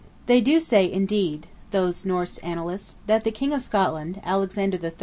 They do say indeed, these Norse annalists, that the King of Scotland, Alexander III.